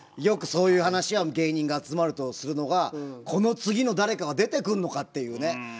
よくそういう話は芸人が集まるとするのがこの次の誰かは出てくんのかっていうね。